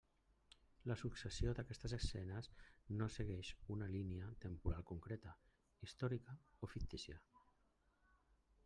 La successió d'aquestes escenes no segueix una línia temporal concreta, històrica o fictícia.